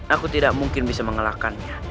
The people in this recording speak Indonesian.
aku tidak mungkin bisa mengalahkannya